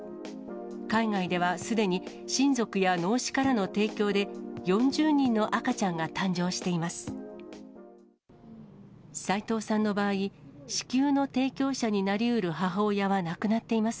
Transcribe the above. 海外ではすでに親族や脳死からの提供で、４０人の赤ちゃんが誕生しています。